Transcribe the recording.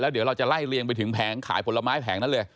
เดี๋ยวเราจะไล่เลียงไปถึงแผงขายผลไม้แผงนั้นเลย